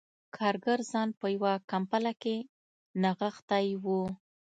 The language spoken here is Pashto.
کارګر ځان په یوه کمپله کې نغښتی و